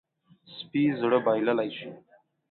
سپي زړه بایللی شي.